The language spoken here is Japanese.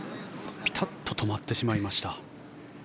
ピタッと止まってしまいました。